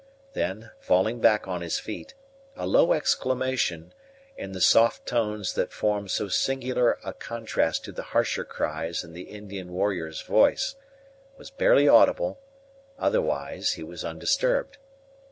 Then, falling back on his feet, a low exclamation, in the soft tones that form so singular a contrast to its harsher cries in the Indian warrior's voice, was barely audible; otherwise, he was undisturbed.